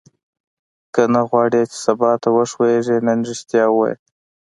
که نه غواړې چې سبا ته وښوېږې نن ریښتیا ووایه.